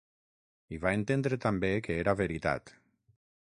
I va entendre també que era veritat.